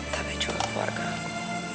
tapi juga keluarga aku